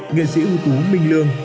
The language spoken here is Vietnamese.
nguyễn sĩ ưu tú minh lương